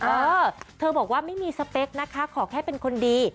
เออเธอบอกว่าไม่มีสเปคนะคะขอแค่เป็นคนดี